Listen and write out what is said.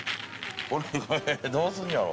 海どうすんやろ？